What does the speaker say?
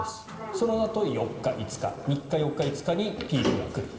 そのあと４日、５日３日、４日、５日にピークが来ると。